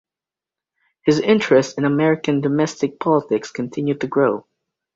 His interest in American domestic politics continued to grow.